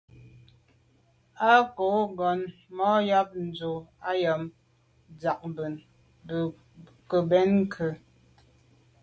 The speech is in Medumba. A côb ngòn mɑ̂ ɑ̀b ndʉ̂ Nzə̀ ɑ̌m Ndiagbin, bə̀ kə bɛ̀n ke.